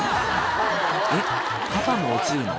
えっパパも落ちるの？